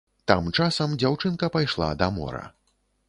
Там часам дзяўчынка пайшла да мора.